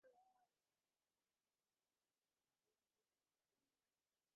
সাবেরা আনোয়ার পানাশ হাবের প্রধান নির্বাহী কর্মকর্তা।